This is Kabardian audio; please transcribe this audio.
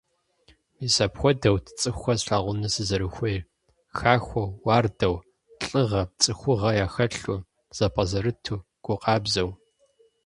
Мис апхуэдэут цӀыхухэр слъэгъуну сызэрыхуейр: хахуэу, уардэу, лӀыгъэ, цӀыхугъэ яхэлъу, зэпӀэзэрыту, гу къабзэу.